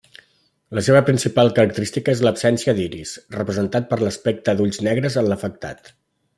La seva principal característica és l'absència d'iris, representat per l'aspecte d'ulls negres en l'afectat.